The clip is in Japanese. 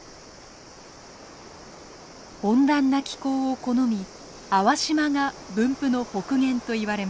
温暖な気候を好み粟島が分布の北限といわれます。